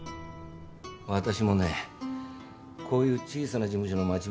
私もねこういう小さな事務所の町弁さん